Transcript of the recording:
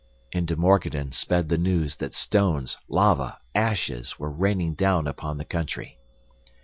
Into Morganton sped the news that stones, lava, ashes, were raining down upon the country.